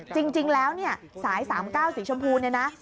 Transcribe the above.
จริงแล้วเนี่ยสาย๓๙สีชมพูเนี่ยนะ